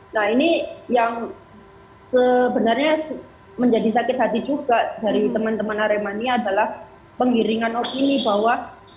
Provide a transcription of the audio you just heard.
nah ini yang sebenarnya menjadi sakit hati juga dari teman teman aremania adalah penggiringan opini bahwa